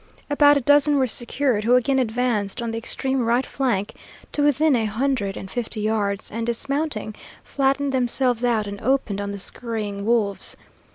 About a dozen were secured, who again advanced on the extreme right flank to within a hundred and fifty yards, and dismounting, flattened themselves out and opened on the skurrying wolves.